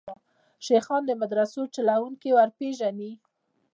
شیخان د مدرسو چلوونکي وروپېژني.